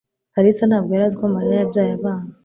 kalisa ntabwo yari azi ko mariya yabyaye abana